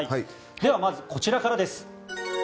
ではまず、こちらからです。